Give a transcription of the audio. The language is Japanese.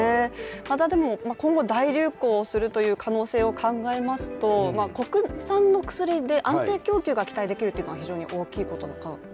今後大流行をするという可能性を考えますと、国産の薬で安定供給が期待できるのは大きいかなと。